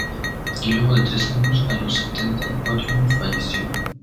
Y luego de tres años, a los setenta y cuatro años, falleció.